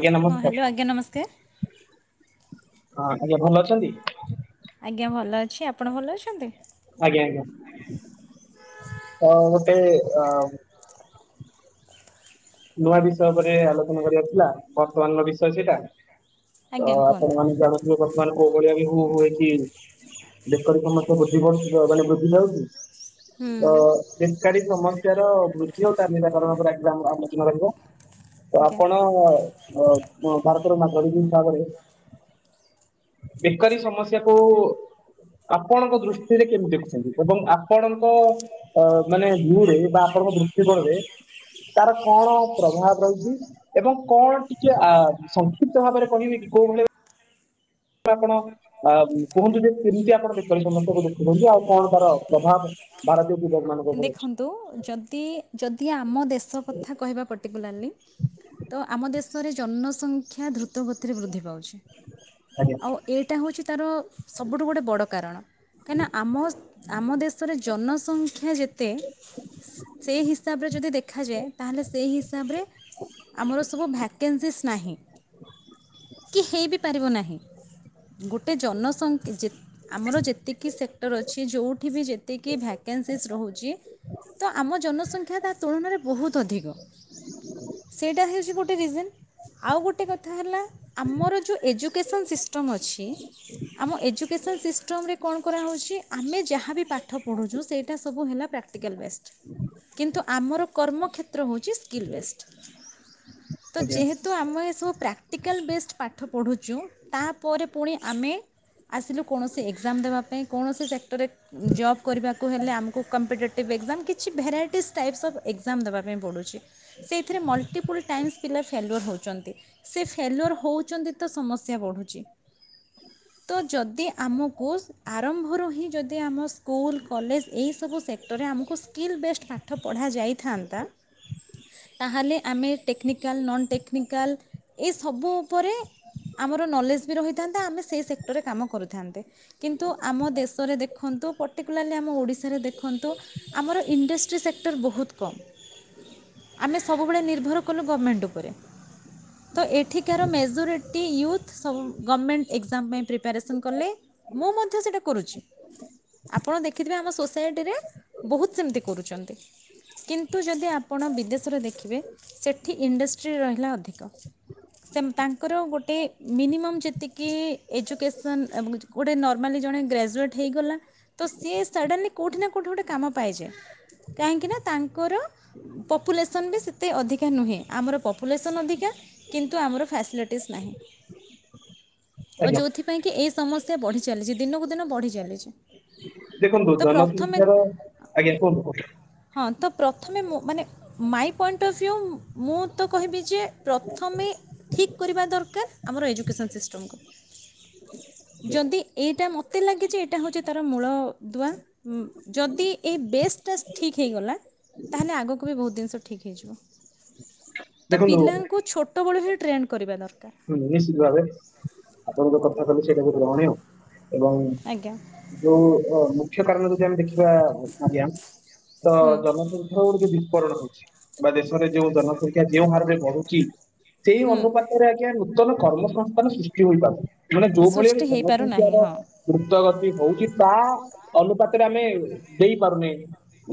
ଆଜ୍ଞା ହଁ ନମସ୍କାର। ହ୍ୟାଲୋ ଆଜ୍ଞା ନମସ୍କାର ହଁ ଆଜ୍ଞା ଭଲ ଅଛନ୍ତି। ଆଜ୍ଞା ଭଲ ଅଛି ଆପଣ ଭଲ ଅଛନ୍ତି। ଅ ଗୋଟେ ଅ। ନୂଆ ବିଷୟ ଉପରେ ଆଲୋଚନା କରିବାାର ଥିଲା ବର୍ତ୍ତମାନର ବିଷୟ ସେଇଟା। ତ ଆଜ୍ଞା ଆପଣ କୁହନ୍ତୁ ମାନେ ଜାଣୁଥିବେ ବ ମାନ କୋଉ ଭଳିଆ ବି ହୁଏ କି ବେକରୀ ସମସ୍ୟା ବୃଦ୍ଧି ପାଉଛି ମାନେ ବୃଦ୍ଧି ପାଉଛି। ହୁଁ। ତ ଜିନିଷ ଟା ସମସ୍ତ ତାର ବୃଦ୍ଧି ଆଉ ତା ନିରାକରଣ। [unintelligible] କିମ ରହିବ। ତ ଆଜ୍ଞା ଆପଣ-ଅ-ଅ ଅ। ଭାରତର ନାଗରିକ ହିସାବରେ ବେକାରୀ ସମସ୍ୟାକୁ ଆପଣଙ୍କ ଦୃଷ୍ଟିରେ କେମିତି ଦେଖୁଛନ୍ତି ଏବଂ ଆପଣଙ୍କ ଅ ମାନେ ଭିଉରେ ବା ଆପଣଙ୍କ ଦୃଷ୍ଟିକୋଣରେ ତାର କଣ ପ୍ରଭାବ ରହିଛି ଏବଂ କଣ ଟିକେ ଅ ସଂକ୍ଷିପ୍ତ ଭାବରେ କହିବେ କି କୋଉ ଭଳି ଆପଣ ଆ କୁହନ୍ତୁ ଯେ କେମିତି ଆପଣ ବେକାରୀ ସମସ୍ୟା କୁ ଦେଖୁଛନ୍ତି ଆଉ କଣ ତାର ପ୍ରଭାବ ଭାରତୀୟ ଯୁବକ ମାନଙ୍କ ଉପରେ ଅଛି ଦେଖନ୍ତୁ ଯଦି ଯଦି ଆମ ଦେଶ କଥା କହିବା ପର୍ଟିକୁଲାରଲି। ତ ଆମ ଦେଶରେ ଜନସଂଖ୍ୟା ଦ୍ରୁତଗତିରେ ବୃଦ୍ଧି ପାଉଛି। ଆଜ୍ଞା ଆଉ ଏଇଟା ହଉଛି। ତାର ସବୁଠୁ ଗୋଟେ ବଡ଼ କାରଣ କାହିଁକିନା ଆମ ଆମ ଦେଶରେ ଜନସଂଖ୍ୟା ଯେତ ତେ ସେଇ ହିସାବରେ ଯଦି ଦେଖାଯାଏ ତାହେଲେ ସେଇ ହିସାବରେ ଆମର ସବୁ ଭ୍ୟାକେନ୍ସିସ୍ ନାହିଁ କି ହେଇ ବି ପାରିବ ନାହିଁ ଗୋଟେ ଜନସଂଖା ଯେ ଆମର ଯେତିକି ସେକ୍ଟର ଅଛି ଯେଉଁଠି ବି ଯେତିକି ଭ୍ୟାକେନ୍ସିସ୍ ରହୁ ଛି ତ ଆମ ଜନସଂଖ୍ୟା ତା ତୁଳନାରେ ବହୁତ ଅଧିକ। ସେଇଟା ହେଉଛି ଗୋ ଗୋଟେ ରିଜନ ଆଉ ଗୋଟେ କଥା ହେଲା ଆମର ଯେଉଁ ଏଜୁକେସନ୍ ସିଷ୍ଟମ୍ ଅଛି ଆମ ଏଜୁକେସନ୍ ସିଷ୍ଟମରେ କଣ କରାହେଉଛି ଆମେ ଯାହାବି ପାଠ ପଢ଼ୁଛୁ ସେଇଟା ସବୁ ହେଲା। ପ୍ରାକ୍ଟିକାଲ ବେଷଡ କିନ୍ତୁ ଆମର କର୍ମ କ୍ଷେତ୍ର ହଉଚି ସ୍କିଲ ବେଶଡ। ତ ଆଜ୍ଞା ଯେହେତୁ ଆମ ଏସବୁ ପ୍ରାକ୍ଟିକାଲ୍ ବେସ୍ଟ ପାଠ ପଢ଼ୁଛୁ ତାପରେ ପୁଣି ଆମେ ଆସିଲୁ କୌଣସି ଏକ୍ଜାମ ଦେବା ପାଇଁ କୌଣସି ସେକ୍ଟରରେ ଜବ୍ କରିବାକୁ ହେଲେ ଆମୁକୁ କମ୍ପିଟେଟିଭ୍ ଏକ୍ଜାମ୍ କିଛି ଭେରାଇଟିସ୍ ଟାଇପସ ଅଫ୍ ଏକ୍ଜାମ ଦେବା ପାଇଁ ପଡ଼ୁଛି ସେଇଥିରେ ମଲ୍ଟିପୁଲ୍ ଟାଇମ୍ସ୍ ପିଲା ଫେଲୁଅର ହଉଛନ୍ତି ସେ ଫେଲୁଅର ହଉଛନ୍ତି ତ ସମସ୍ୟା ବଢ଼ୁଛି ତ ଯଦି ଆମକୁ ଆରମ୍ଭରୁ ହିଁ ଯଦି ଆମ ସ୍କୁଲ କଲେଜ ଏଇ ବୁ ସେକ୍ଟରରେ ଆମକୁ ସ୍କିଲ୍ ବେସ୍ଟ ପାଠ ପଢ଼ା ଯାଇଥାନ୍ତା ତାହେଲେ ଆମେ ଟେକନିକାଲ ନନ୍ ଟେକନିକାଲ ଏସବୁ ଉପରେ ଆମର ନଲେଜ ବି ରହିଥାନ୍ତା ଆମେ ସେ ସେକ୍ଟରରେ କାମ କରିଥାନ୍ତେ କିନ୍ତୁ ଆମ ଦେଶରେ ଦେଖନ୍ତୁ ପଟିକୁଲାରଲି ଆମ ଓଡିଶାରେ ଦେ ଦେଖନ୍ତୁ ଆମର ଇଣ୍ଡଷ୍ଟ୍ରି ସେକ୍ଟର ବହୁତ କମ୍ ଆମେ ସବୁବେଳେ ନିର୍ଭର କଲୁ ଗମେଣ୍ଟ ଉପରେ ତ ଏଠିକାର ମେଜୋରିଟି ୟୁଥ୍ ସବୁ ଗମେଣ୍ଟ ଏକ୍ଜାମ ପାଇଁ ପ୍ରିପାରେସନ୍ କଲେ ମୁଁ ମଧ୍ୟ ସେଇଟା କରୁଛି ଆପଣ ଦେଖିଥିବେ ଆମ ସୋସାଇ ଟିରେ ବହୁତ ସେମିତି କରୁଛନ୍ତି କିନ୍ତୁ ଯଦି ଆପଣ ବିଦେଶରେ ଦେଖିବେ ସେଠି ଇଣ୍ଡଷ୍ଟ୍ରି ରହିଲା ଅଧିକ ସେ ତାଙ୍କର ଗୋଟେ ମିନିମମ୍ ଯେତିକି ଏଜୁକେସନ୍ ଗୋଟେ ନର୍ମାଲି ଜଣେ ଗ୍ରାଜୁଏଟ୍ ହେଇଗଲା ତ ସିଏ ସଡ଼ନଲି କୋଉଁଠି ନା କୋଉଁଠି ଗୋଟେ କାମ ପାଇଯାଏ କାହିଁକିନା ତାଙ୍କର ପପୁଲେସନ୍ ବି ସେତେ ଅଧିକା ନୁହେଁ ଆମର ପପୁଲେସନ୍ ଅଧିକା କିନ୍ତୁ ଆମର ଫ୍ୟାସିଲିଟିସ୍ ନାହିଁ। ଆଉ ଆଜ୍ଞା ଯୋଉଥିପାଇଁ କି ଏ ସମସ୍ୟା ବଢ଼ି ଚାଲିଛି ଦିନକୁ ଦିନ ବଢ଼ି ଚାଲିଛି। ଦେଖନ୍ତୁ ତ ପ୍ରଥମେ ଜନସଂଖ୍ୟାର ଆଜ୍ଞା କୁହନ୍ତୁ କୁହନ୍ତୁ ହଁ ତ ପ୍ରଥମେ ମୁଁ ମାନେ ମାଇ ପଏଣ୍ଟ ଅଫ୍ ଭ୍ୟୁ ମୁଁ ତ କହିବି ଯେ ପ୍ରଥମେ ଠିକ କରିବା ଦରକାର ଆମର ଏଜୁକେସନ୍ ସିଷ୍ଟମକୁ ଯଦି ଏଇଟା ମୋତେ ଲାଗେ ଯେ ଏଇଟା ହେଉଛି ତାର ମୂଳଦୁଆ। ଉଁ ଯଦି ଏ ବେସ୍ ଟ୍ୟାକ୍ସ ଠିକ୍ ହେଇଗଲା ତାହେଲେ ଆଗକୁ ବି ବହୁତ ଜିନିଷ ଠିକ୍ ହେଇଯିବ। ତ ଦେଖନ୍ତୁ ପିଲାଙ୍କୁ ଛୋଟବେେଳୁ ହିଁ ଟ୍ରେଣ୍ଡ କରିବା ଦରକାର। ହୁଁ ନିଶ୍ଚିତ ଭାବେ ଆପଣଙ୍କ କଥା ତାଲେ ଭାବେ ଗ୍ରହଣୀୟ ଏବଂ ଆଜ୍ଞା ଯୋଉ [unintelligible] ସେ କାରଣରୁ ଯଦି ଆମେ ଦେଖିବା ଆଜ୍ଞା। ତ ହୁଁ ଜନସଂଖ୍ୟା [unintelligible] ପରେ ରହୁଛି ବା ଦେଶରେ ଯେଉଁ ଜନସଂଖ୍ୟା ଯେଉଁ ହାରରେ ବଢୁଛି ସେଇ ହୁଁ ଅନୁପାତରେ ନୂତନ କର୍ମସଂସ୍ଥାନ ସୃଷ୍ଟି ହୋଇପାରୁନି। ମାନେ ଯୋଉ ଭଳିଆ ବି ସୃଷ୍ଟି ହେଇପାରୁନାହିଁ ଜନସଂଖ୍ୟାର ହଁ ଦ୍ରୁତଗ ମିତି ହଉଛି ତା ଅନୁପାତରେ ଆମେ ଦେଇପାରୁନେ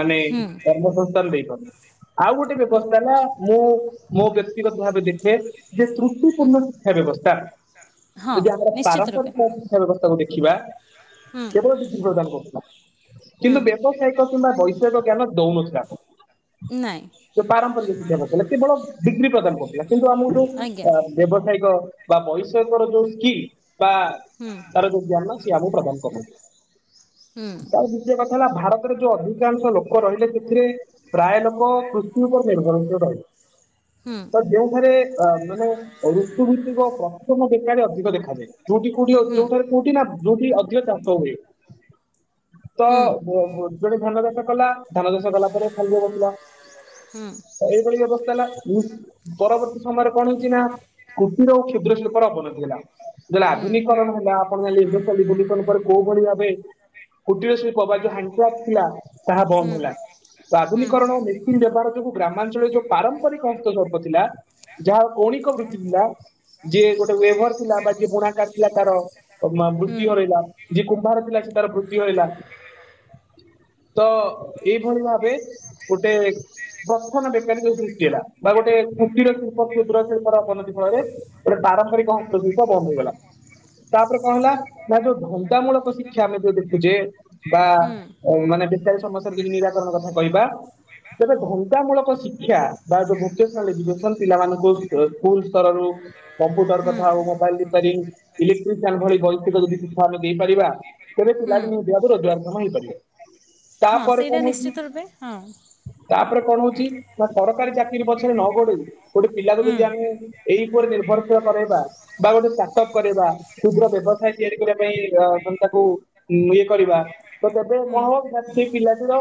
ମାନେ ହୁଁ କର୍ମସଂସ୍ଥାନ ଦେଇପାରୁନେ। ଆଉ ଗୋଟେ ବ୍ୟବସ୍ଥା ହେଲା ମୁଁ ମୋ ବ୍ୟକ୍ତିଗତ ଭାବେ ଦେଖେ ଯେ ତ୍ରୁ ପୂର୍ଣ୍ଣ ଶିକ୍ଷା ବ୍ୟବସ୍ଥା ହଁ ଯଦି ଆମର ନିଶ୍ଚିତ ରୂପେ ପାରମ୍ପରିକ ଶିକ୍ଷା ବ୍ୟବସ୍ଥାକୁ ଦେଖ୍ ଦେଖିବା ହୁଁ କେବଳ [unintelligible] ପ୍ରଦାନ କରୁଥିଲା। ହୁଁ କିନ୍ତୁ ବ୍ୟବସାୟିକ କିମ୍ବା ବୈ‌ ଷୟିକ ଜ୍ଞାନ ଦଉନଥିଲା। ନାଇଁ ସେ ପାରମ୍ପରିକ ଶିକ୍ଷା କଥା ହେଲା କେବଳ ଡିଗ୍ରୀ ପ୍ରଦାନ କରୁ ଥିଲା କିନ୍ତୁ ଆମକୁ ଯୋଉ ଆଜ୍ଞା ଆ ବ୍ୟବସାୟିକ ବା ବୈଷୟିକର ଯୋଉ ସ୍କି ବା ହୁଁ ତାର ଯୋଉ ଜ୍ଞାନ ସେ ଆମକୁ ପ୍ରଦାନ କରୁଛି। ହୁଁ ତ ବୁଝେଇ ହେଲା ଭାରତରେ ଯୋଉ ଅଧିକାଂଶ ଲୋକ ରହିଲେ ସେଥିରେ ପ୍ରାୟ ଲୋକ କୃଷି ଉପରେ ନିର୍ଭରଶୀଳ ରହିଲେ। ତ ଯେଉଁଠାରେ ଅ ମାନେ ଋତୁ ଭିତ୍ତିକ ପ୍ରଥମ ବେକାରି ଅଧିକ ଦେଖାଯାଏ। ଯୋଉଠି କୋଠି ଯୋଉଠାରେ କୋଉଠି ନା ଯଉଠି ଅଧିକ ଚାଷ ହୁଏ । ତ [unintelligible] କଲା। ଧାନ ଚାଷ କଲା ପରେ ଖାଲିରେ ବସିଲା ତ ଏଇ ଭଳି ବ୍ୟବ [unintelligible] ପରବର୍ତ୍ତୀ ସମୟରେ କଣ ହେଇଛି ନା? କୁଟୀର ଓ କ୍ଷୁଦ୍ରଶିଳ୍ପର ଅବନତି ହେଲା । [unintelligible] ଆଧୁନିକରଣ ହେଲା ଆପଣ [unintelligible] କୋଉ ଭଳି ଭାବେ କୁଟୀର ଶିଳ୍ପ ବା ଯୋଉ ହ୍ୟାଣ୍ଡ କ୍ୟାପ ଥିଲା। ତାହା ବନ୍ଦ ହେଲା ତ ଆଧୁନିକରଣ ଓ ମେସିନ ବ୍ୟବହାର ଯୋଗୁ ଗ୍ରାମାଞ୍ଚଳରେ ଯୋଉ ପାରମ୍ପରିକ ହସ୍ତଶିଳ୍ପ ଥିଲା ଯାହା କୌଣିକ ବୃ ଥିଲା ଯିଏ ଗୋଟେ ୱେଭର ଥିଲା ବା ଯିଏ ବୋଣାକାର ଥିଲା ତାର ବୃତି ହରେଇଲା ଯିଏ କୁମ୍ଭାର ଥିଲା ସେ ତାର ବୃତ୍ତି ହରେଇଲା। ତ ଏଇଭଳି ଭାବେ ଗୋଟେ ଗଠନ ବେକାରୀ ଯୋଉ ସୃଷ୍ଟି ହେଲା। ବା ଗୋଟେ କୁଟିର ଶିଳ୍ପ କ୍ଷୁଦ୍ର ଶିଳ୍ପ ର ଅବନତି ଘରେ ଗୋଟେ ପାରମ୍ପରିକ [unintelligible] ବନ୍ଦ ହେଇଗଲା ତାପରେ କଣ ହେଲା ନା ଯୋଉ ଧନ୍ଦା ମୂଳକ ଶିକ୍ଷା ଆମେ ଯୋଉ ଦେଖୁଚେ ବା ମାନେ ବେକାରୀ ସମସ୍ୟାର ଯଦି ନିରାକରଣ କଥା କହିବା ତେବେ ଧନ୍ଦା ମୂଳ କୋ ଶିକ୍ଷା ବା ଭୋକେଶନାଲ୍ ଏଜୁକେଶନ ପିଲାମାନଙ୍କୁ [unintelligible] କମ୍ପ୍ୟୁଟର କଥା ଆଉ ମୋବାଇଲ ରିପାରିଙ୍ଗ ଇଲେକ୍ଟ୍ରିସିଆନ୍ ଭଳି ବୈଷିକ ଯଦି ଶିକ୍ଷ୍ୟା ଆମେ ଦେଇପାରିବା ତେବେ ପିଲା ଟି [unintelligible] ରୋଜଗାର କ୍ଷମ ହୋଇ ପାରିବ ହଁ ସେଇଟା ନିଶ୍ଚିତ ରୂପେ ହଁ। ତାପରେ କଣ ହଉଛି ନା ସରକାରୀ ଚାକିରି ପଛରେ ନ ଗୋଡେଇ ଗୋଟେ ପିଲାକୁ ହୁଁ ଯଦି ଆମେ ଏଇ ଉପରେ ନିର୍ଭରଶୀଳ କରାଇବା ବା ଗୋଟେ ଷ୍ଟାର୍ଟ ଅପ୍ କରାଇବା ଶୁଦ୍ର ବ୍ୟବସାୟ ତିଆରି କରିବା ପାଇଁ ତାକୁ ଇଏ କରିବା ତ କେବେ ହୁଁ କଣ ହବ ସେଇ ପିଲାଟିର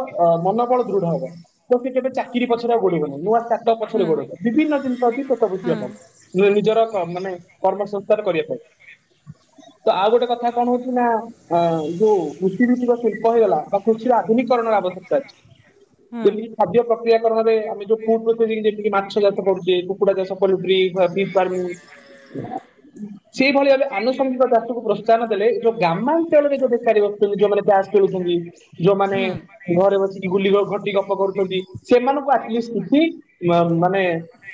ମନୋବଳ ଦୃଢ ହବ ତ ସେ କେବେ ଚାକିରି ପଛରେ ଗୋଡିବ ନାହିଁ ନୂଆ ଷ୍ଟାର୍ଟ ଅପ୍ ପଛରେ ହୁଁ ଗୋଡେ ଇବ ବିଭିନ୍ନ ଜିନିଷ ଅଛି ପେଟ ପୋଷିବା ହୁଁ ପାଇଁ ନିଜର କ ମାନେ କର୍ମ ସଂସ୍କାର କରିବା ପାଇଁ। ତ ଆଉ ଗୋଟେ କଥା କଣ ହଉଛି ନା ଯୋଉ କୃଷି ଭିତ୍ତିକ ଶିଳ୍ପ ହେଇଗଲା ବା କୃଷିର ଆଧୁନିକରଣର ଆବଶ୍ୟକତା ଅଛି ହୁଁ ଯେମିତିିକି ଖାଦ୍ୟ ପ୍ରକ୍ରିୟାକରଣରେ ଆମେ ଯୋଉ ଫୁଡ [unintelligible] ଯେମିତିି ମାଛ ଚାଷ କରୁଚେ କୁକୁଡ଼ା ଚାଷ କରୁ [unintelligible] ସେଇ ଭଳି ଭାବେ ଆନୁଷଙ୍ଗିକ ଚାଷକୁ ପ୍ରୋତ୍ସାହନ ଦେଲେ ଯୋଉ ଗ୍ରାମାଞ୍ଚଳରେ ଯୋଉ ବେକାରୀ ବସୁଚନ୍ତି ଯୋଉମାନେ ତାସ ଖେଳୁଚନ୍ତି ଯୋଉମାନେ ହୁଁ ଘରେ ବସି ଗୁଲି ଗ ଘଟି ଗପ କରୁଚନ୍ତି ସେମାନଙ୍କୁ ଆଟଲିଷ୍ଟ [unintelligible] ମାନେ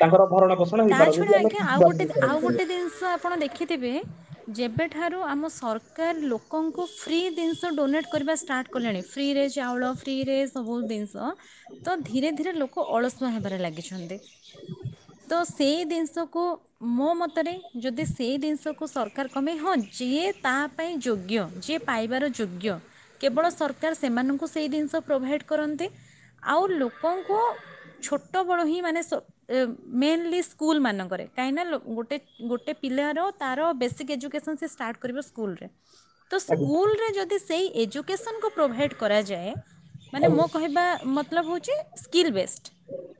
ତାଙ୍କର ଭରଣ ପୋଷ ତା ଛଡ଼ା ଇ ଆଉ ଗୋଟେ ଆଉ ଗୋଟେ ଦିନିଷ ଆପଣ ଦେଖିଥିବେ ଯେବେଠା ଠାରୁ ଆମ ସରକାର ଲୋକଙ୍କୁ ଫ୍ରି ଦିନଷ ଡୋନେଟ୍ କରିବା ଷ୍ଟାର୍ଟ କଲେଣି ଫ୍ରିରେ ଚାଉଳ ଫ୍ରିରେ ସବୁ ଦିନିଷ। ତ ଧୀରେ ଧୀରେ ଲୋକ ଅଳସୁଆ ହେବାରେ ଲାଗିଛନ୍ତି। ତ ଏ ଦିନଷକୁ ମୋ ମତରେ ଯଦି ସେଇ ଦିନଷକୁ ସରକାର କମେ ହଁ ଯିଏ ତା ପାଇଁ ଯୋଗ୍ୟ ଯିଏ ପାଇବାର ଯୋଗ୍ୟ କେବଳ ସରକାର ସେମାନଙ୍କୁ ସେଇ ଦିନଷ ପ୍ରୋଭାଇଡ଼ କରନ୍ତେ ଆଉ ଲୋକଙ୍କୁ ଛୋଟ ବଳୁ ହିଁ ମାନେ ସେ ଅ ମେନ୍ଲି। ସ୍କୁଲମାନଙ୍କରେ କାହିଁକି ନା ଲୋ ଗୋଟେ ଗୋଟେ ପିଲାର ତାର ବେସିକ୍ ଏଜୁକେସନ୍ ସେ ଷ୍ଟାର୍ଟ କରିବ ସ୍କୁଲରେ। ତ ଆଜ୍ଞା ସ୍କୁଲରେ ଯଦି ସେଇ। ଏଜୁକେସନକୁ ପ୍ରୋଭାଇଡ଼୍ କରାଯାଏ। ମାନେ ଆଜ୍ଞା ମୋ କହିବା ମ ମତଲବ ହୋଉଚି ସ୍କିଲ୍ ବେଷ୍ଟ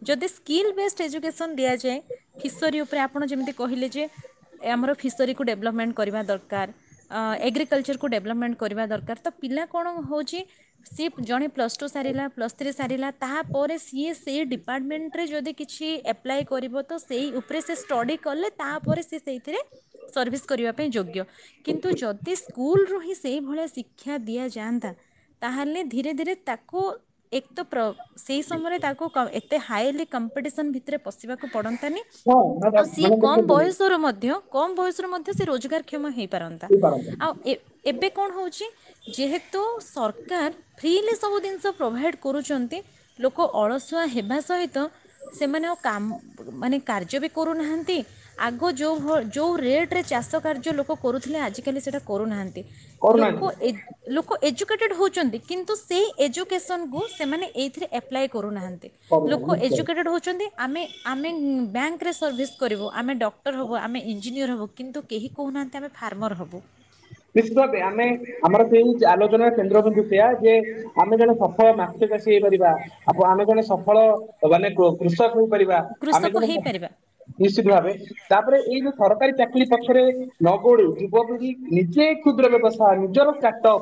ଯଦି ସ୍କିଲ୍ ବେଷ୍ଟ ଏଜୁକେସନ୍ ଦିଆଯାଏ। ଫିସରୀ ଉପରେ ଆପଣ ଯେମିତି କହିଲେ ଯେ ଆମର ଫିସରୀକୁ ଡେଭଲପମେଣ୍ଟ କରିବା ଦରକାର ଅଁ ଏଗ୍ରିକଲଚରକୁ ଡେଭଲପମେଣ୍ଟ କରିବା ଦରକାର ତ ପିଲା କଣ ହୋଉଚି ସିଏ ଜଣେ ପ୍ଲସ୍ ଟୁ ସାରିଲା ପ୍ଲସ୍ ଥ୍ରୀ ସାରିଲା ତାପରେ ସିଏ ସେଇ ଡିପାର୍ଟମେଣ୍ଟରେ ଯଦି କିଛି ଏପ୍ଲାଏ କରିବ। ତ ସେଇ ଉପରେ ସେ ଷ୍ଟଡ଼ି କଲେ ତାପରେ ସିଏ ସେଇଥିରେ ସର୍ଭିସ୍ କରିବା ପାଇଁ ଯୋଗ୍ୟ ଭଳିଆ ଶିକ୍ଷା ଦିଆଯାଆନ୍ତା ତାହେଲେ ଧୀରେ ଧୀରେ ତାକୁ ଏକ୍ ତ ପ୍ର ସେଇ ସମୟରେ ତାକୁ ଏତେ ହାଇଲି କମ୍ପିଟିସନ ଭିତରେ ପଶିବାକୁ ପଡ଼ ଆନି ହଁ ମାନେ ଆଉ ସିଏ କମ୍ ଦେଖନ୍ତୁ ବୟସରୁ ମଧ୍ୟ କମ୍ ବୟସରୁ ମଧ୍ୟ ସେ ରୋଜଗାରକ୍ଷମ ହେଇପାରନ୍ତା। ହେଇପାରନ୍ତା ଆଉ ଏ ଏବେ କଣ ହୋଉଚି ଯେହେତୁ ସରକାର ଫ୍ରୀଲି ସବୁ ଦିନିଷ। ପ୍ରୋଭାଇଡ଼୍ କରୁଚନ୍ତି। ଲୋକ ଅଳସୁଆ ହେବା ସହିତ ସେମାନେ ଆଉ କାମ ମାନେ କାର୍ଯ୍ୟ ବି କରୁନାହାନ୍ତି ଆଗ ଯୋଉ ଭ ଯୋଉ ରେଟ୍ ରେ ଚାଷ କାର୍ଯ୍ୟ ଲୋକ କରୁଥୁଲେ ଆଜିକାଲି ସେଇଟା କରୁନାହାନ୍ତି। ଲୋକ କରୁନାହାନ୍ତି ଏ ଲୋକ ଏଜୁକେଟେଡ଼୍ ହୋଉଚନ୍ତି। କିନ୍ତୁ ସେହି ଏଜୁକେସନ୍ କୁ ସେମାନେ ଏଇଥିରେ ଆପ୍ଲାଏ କରୁନାହାଁନ୍ତି। ଲୋକ କରୁନାହାନ୍ତି ନିଶ୍ଚୟ ଏଜୁକେଟେଡ଼୍ ହେଉଚନ୍ତି ଆମେ ଆମେ ବ୍ୟାଙ୍କରେ ସର୍ଭିସ୍ କରିବୁ ଆମେ ଡକ୍ଟର ହୋବୁ ଆମେ ଇଞ୍ଜିନିୟର ହୋବୁ କିନ୍ତୁ କେହି କହୁନାହାନ୍ତି ଆମେ ଫାର୍ମର ହବୁ। ନିିଶତ ଭାବେ ଆମେ ଆମର ସେଇ ଆଲୋଚନାର କେନ୍ଦ୍ର କିନ୍ଦୁ ସେଇଆ ଯେ ଆମେ ଜଣେ ସଫଳ ମାଛ ଚାଷୀ ହେଇପାରିବା ଆପ ଆମେ ଜଣେ ସଫଳ ମାନେ କୃଷ ଷକ ହେପାରିବା ଆମେ କୃଷକ ଜଣେ ହେଇପାରିବା ନିଶ୍ଚିତ ଭାବେ ତାପରେ ଏଇ ଯୋଉ ସରକାରୀ ଚାକିରି ପଛରେ ନ ଓଡ଼ିଓ ଯୁବପିଢୀ । ନିଜେ କ୍ଷୁଦ୍ର ବ୍ୟବସାୟ ନିଜର ଷ୍ଟାଟପ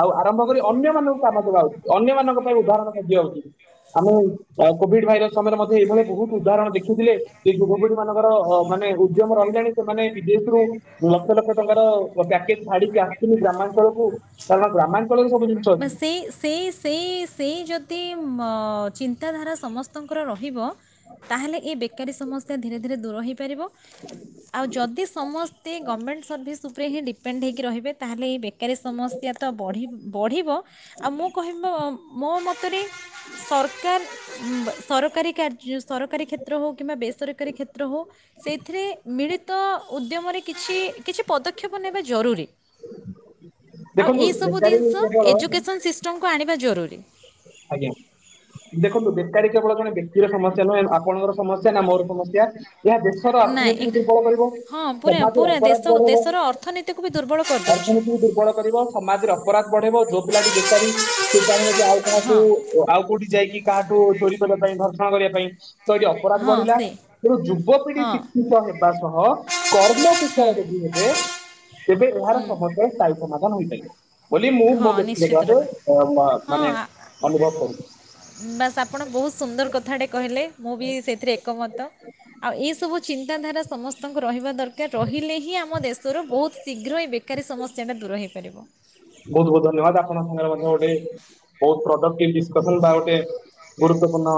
ଆଉ ଆରମ୍ଭ କରି ଅନ୍ୟମାନଙ୍କୁ କାମ ଦବା ଉଚିତ। ଅନ୍ୟମାନାନଙ୍କ ପାଇଁ ଉଦାହରଣ ସାଜିବା ଉଚିତ୍। ଆମେ ଆ କୋଭିଡ ଭାଇରସ ସମୟରେ ମଧ୍ୟ ଏଇ ଭଳିଆ ବୋହୁତ ଉଦାହରଣ ଦେଖିଥିଲେ ଯେ ଯୁବପିଢିମାନଙ୍କର ଅ ମାନେ ଉଦ୍ୟମ ରହିଲାଣି ସେମାନେ ବିଦେଶରୁୁ ଲକ୍ଷ ଲକ୍ଷ ଟଙ୍କାର। ପ୍ୟାକେଜ୍ ଛାଡ଼ିବି ଆସିଥିଲି ଗ୍ରାଞ୍ଚଳକୁ କାରଣ ଗ୍ରାମା ବା ସେଇ ସେଇ ସେଇ ସେଇ ଯଦି ମ ଚି ନ୍ତାଧାରା ସମସ୍ତଙ୍କର ରହିବ ତାହେଲେ ଏ ବେକାରୀ ସମସ୍ୟା ଧୀରେ ଧୀରେ ଦୂର ହେଇପାରିବ। ଆଉ ଯଦି ସମସ୍ତେ ଗମେଣ୍ଟ ସର୍ଭିସ୍ ଉପରେ ହିଁ ଡିପେଣ୍ଡ ହୋଇକି ରହିବେ ତାହେଲେ ଏ ବେକାରୀ ସମସ୍ୟା ତ ବଢ଼ି ପଢ଼ିବ ଆଉ ମୁଁ କହିବ। ମୋ ମତରେ ସରକାର ଉଁ ସରକାରୀ କାର୍ଯ୍ ସରକାରୀ କ୍ଷେତ୍ର ହୋଉ କିମ୍ବା ବେସରକାରୀ କ୍ଷେତ୍ର ହୋଉ ସେଇଥିରେ ମିଳିତ ଉଦ୍ୟମରେ କିଛି କିଛି ପଦ ପଦକ୍ଷେପ ନେବା ଜରୁରୀ ଆଉ ଦେଖନ୍ତୁ ଏସବୁ ବେକାରୀ ଜିନିଷ। କେବଳ ଏଜୁକେସନ ସିଷ୍ଟମକୁ ଆଣି ଜରୁରୀ। ଆଜ୍ଞା ଦେଖନ୍ତୁ ବେକାରୀ କେବଳ ଜଣେ ବ୍ୟକ୍ତିର ସମସ୍ୟା ନୁହେଁ ଆପଣଙ୍କର ସମସ୍ୟା ନା ମୋର ସମସ୍ୟା। ଏହା ଦେଶର ନାଇଁ ଅର୍ଥନୀତିକୁ ଦୁର୍ବଳ କରିବ ହଁ ପୁରା ସମାଜରେ ପୁରା ଅପରାଧ ଦେଶ ବଢେଇବ ଦେଶର ଅର୍ଥନୀତିକୁ ବି ଦୁର୍ବଳ କରିଦେଉଛି ଅର୍ଥନୀତିକୁ ଦୁର୍ବଳ କରିବ ସମାଜରେ ଅପରାଧ ବଢେଇବ ଯୋଉ ପିଲାଟି ବେକାରୀ ସେ ଚାହିଁବ ଜେ ଆଉ। କହାକୁ ହଁ ଆଉ କୋଉଠି ଯାଇକି। କାହାଠୁ ଚୋରି କରିବା ପାଇଁ ଘର୍ଷଣ କରିବା ପାଇଁ। ତ ଏଠି ଅପରାଧ ହଁ ବଢିଲା ସେ ତେଣୁ ଯୁବପିଢି ହଁ ଶିକ୍ଷିତ ହେବା ସହ କର୍ମ କୁଶଳ ହୁଁ ଯଦି ହେବେ ତେବେ ଏହାର ହୁଁ ସମସ୍ତ ସ୍ଥାୟୀ ସମାଧାନ। କଣ ହୋଇପାରିବ? ବୋଲି ମୁଁ ମୋ ହଁ ନିଶ୍ଚିତ ଭାବେ ରୂପେ ହଁ ମାନେ। ଆ- ଅନୁଭବ କରୁଛି ବାସ୍ ଆପଣ ବହୁତ ସୁନ୍ଦର କଥାଟେ କହିଲେ ମୁଁ ବି ସେଥିରେ ଏକମତ ଆଉ ଏଇ ସବୁ ଜି ଚିନ୍ତାଧାରା ସମସ୍ତଙ୍କୁ ରହିବା ଦରକାର ରହିଲେ ହିଁ ଆମ ଦେଶରୁ ବହୁତ ଶୀଘ୍ର ଏ ବେକାରୀ ସମସ୍ୟାଟା ଦୂର ହୋଇଇପାରିବ। ବହୁତ ବହୁତ ଧନ୍ୟବାଦ ଆପଣଙ୍କ ସାଙ୍ଗରେ ମଧ୍ୟ ଗୋଟେ ବହୁତ ପ୍ରଡକ୍ଟି ଡିସକସନ ବା ଗୋଟେ ଗୁରୁତ୍ୱପୂର୍ଣ୍ଣ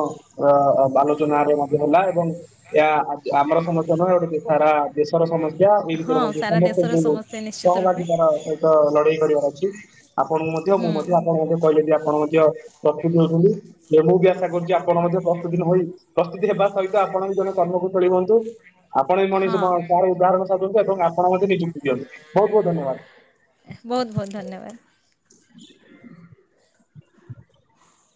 ଆଲୋଚନରେ ମଧ୍ୟ ହେଲା ଏବଂ ଏହା ଆମର ସମସ୍ତ ନୁହେଁ ଗୋଟେ ସାରା ଦେଶର ସମ ହଁ ସାରା ଦେଶର ସମସ୍ତଙ୍କୁ ସମସ୍ୟା ନିଶ୍ଚିତ ରୂପେ ସହଭାଗୀ ଦାର ସହିତ ଲଢେଇ କରିବା। କିି ଆପଣଙ୍କୁ ମଧ୍ୟ ମୁଁ ହୁଁ ମଧ୍ୟ ଆପଣଙ୍କୁ ମଧ୍ୟ କହିଲେ ଯେ ଆପଣ ମଧ୍ୟ। ପ୍ରସ୍ତୁତି ଅଛନ୍ତି ଯେ [unintelligible] ଆା କରୁଛି ଆପଣ ମଧ୍ୟ ପ୍ରତି ଦିନ ହୋଇ ପ୍ରସ୍ତୁତି ହେବା ସହିତ ଆପଣ ବି ଜଣେ କର୍ମକୁ ଖେଳ ହୁଅନ୍ତୁ। ଆପଣ ବି ମଣିଷ ହଁ ଧାର ଉଧାର ଏବଂ ଆପଣ ମ ନିଯୁକ୍ତି ଦିଅନ୍ତୁ ବହୁତ ବହୁତ ଧନ୍ୟବାଦ। ବହୁତ ବହୁତ ଧନ୍ୟବାଦ।